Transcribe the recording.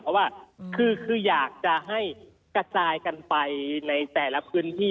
เพราะว่าคืออยากจะให้กระจายกันไปในแต่ละพื้นที่